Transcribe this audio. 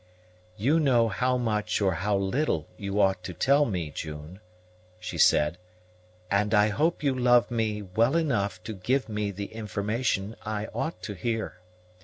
"You know how much or how little you ought to tell me, June," she said; "and I hope you love me well enough to give me the information I ought to hear.